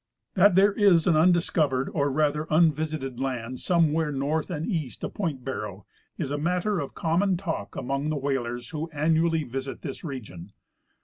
That there is an undiscovered or rather unvisited land some where north and east of point Barrow is a matter of common talk among the whalers who annually visit this region.